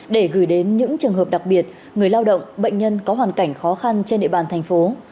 để gửi đến những trường hợp đặc biệt người lao động bệnh nhân có hoàn cảnh khó khăn trên địa bàn thành phố